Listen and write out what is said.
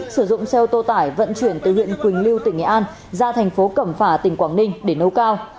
sử dụng xe ô tô tải vận chuyển từ huyện quỳnh lưu tỉnh nghệ an ra thành phố cẩm phả tỉnh quảng ninh để nấu cao